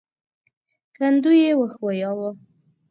کندو يې وښوياوه.